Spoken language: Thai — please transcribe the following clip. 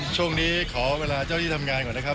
ช่วงนี้ขอเวลาเจ้าที่ทำงานก่อนนะครับ